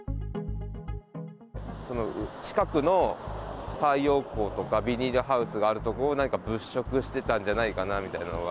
近くの太陽光とか、ビニールハウスがある所を、何か物色してたんじゃないかなみたいなのが。